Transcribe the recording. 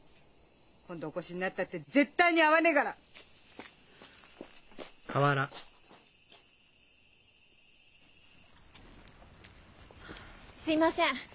今度お越しになったって絶対に会わねえがら！すいません。